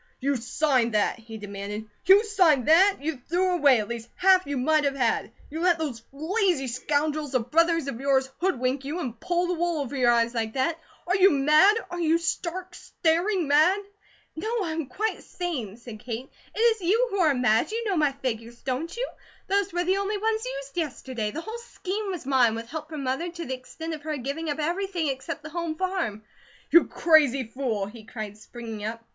"You signed that?" he demanded. "You signed that! YOU THREW AWAY AT LEAST HALF YOU MIGHT HAVE HAD! You let those lazy scoundrels of brothers of yours hoodwink you, and pull the wool over your eyes like that? Are you mad? Are you stark, staring mad?" "No, I'm quite sane," said Kate. "It is you who are mad. You know my figures, don't you? Those were the only ones used yesterday. The whole scheme was mine, with help from Mother to the extent of her giving up everything except the home farm." "You crazy fool!" he cried, springing up.